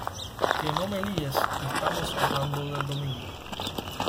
¡Qué no me líes! Estamos hablando del domingo.